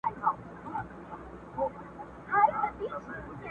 چي د چا پر سر كښېني دوى يې پاچا كي.!